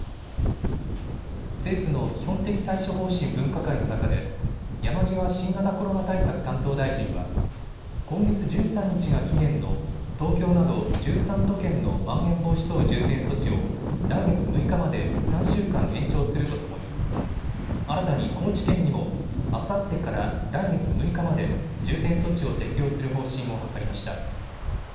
政府の基本的対処方針分科会の中で山際新型コロナ対策担当大臣は今月１３日が期限の東京など１３都県のまん延防止等重点措置を来月６日まで３週間延長するとともに新たに高知県にもあさってから来月６日まで重点措置を適用する方針を諮りました。